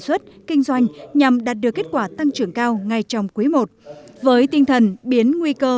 xuất kinh doanh nhằm đạt được kết quả tăng trưởng cao ngay trong quý i với tinh thần biến nguy cơ